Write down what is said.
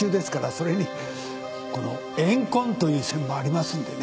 それにこの怨恨という線もありますんでね。